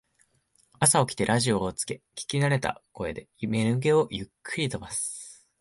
朝起きてラジオをつけ聞きなれた声で眠気をゆっくり飛ばす